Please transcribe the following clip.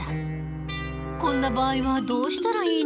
こんな場合はどうしたらいいの？